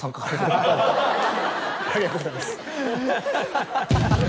ありがとうございます。